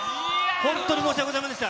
本当に申し訳ございませんでした。